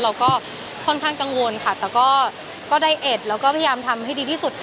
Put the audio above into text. เราก็ค่อนข้างกังวลค่ะแต่ก็ได้เอ็ดแล้วก็พยายามทำให้ดีที่สุด